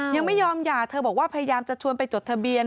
ยังไม่ยอมหย่าเธอบอกว่าพยายามจะชวนไปจดทะเบียน